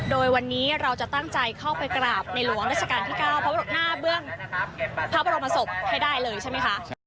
โดยวันนี้เราจะตั้งใจเข้าไปกราบในหลวงราชการที่๙พระบรมหน้าเบื้องพระบรมศพให้ได้เลยใช่ไหมคะ